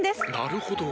なるほど！